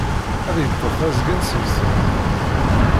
Ad yeṭṭef azgen seg-sen.